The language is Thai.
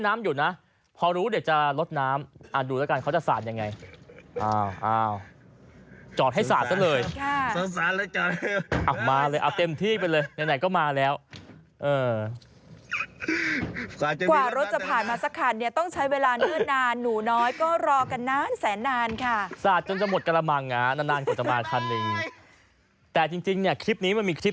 มันนานมันนาน